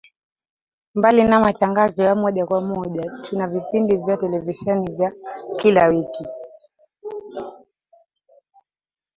Mbali na matangazo ya moja kwa moja tuna vipindi vya televisheni vya kila wiki